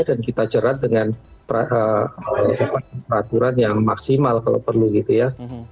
dan kita cerat dengan peraturan yang maksimal kalau perlu gitu ya